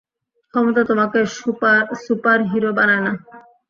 ক্ষমতা তোমাকে সুপারহিরো বানায় না।